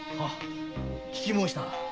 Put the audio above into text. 聞き申した。